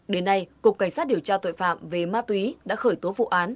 đến nay cục cảnh sát điều tra tội phạm về ma túy đã khởi tố vụ án